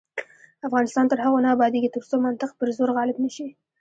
افغانستان تر هغو نه ابادیږي، ترڅو منطق پر زور غالب نشي.